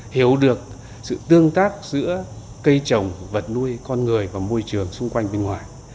hiểu được sự tương tác giữa cây trồng vật nuôi con người và môi trường xung quanh bên ngoài